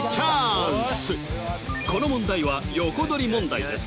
この問題は横取り問題です